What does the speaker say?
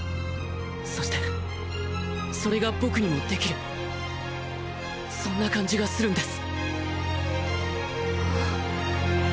そしてそれが僕にもできるそんな感じがするんです。！